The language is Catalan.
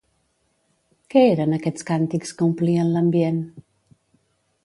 Què eren aquests càntics que omplien l'ambient?